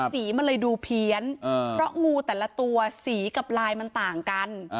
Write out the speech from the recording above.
สีมันเลยดูเพี้ยนเพราะงูแต่ละตัวสีกับลายมันต่างกัน